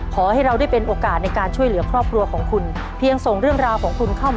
พวกเราเป็นกำลังใจให้ขอบคุณมากนะครับ